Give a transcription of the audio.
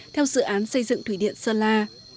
theo dự án xây dựng thủy điện sơn la